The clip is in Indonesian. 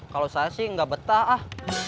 kalau saya sih nggak betah ah